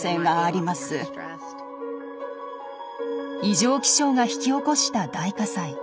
異常気象が引き起こした大火災。